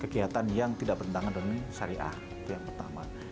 kegiatan yang tidak bertanggung jawab syariah itu yang pertama